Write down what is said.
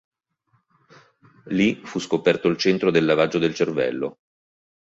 Lì, fu scoperto il centro del lavaggio del cervello.